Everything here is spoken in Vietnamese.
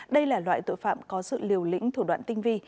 đây là loại tội phạm có sự liều lĩnh thủ đoạn tinh vi